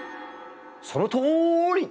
そのとおり！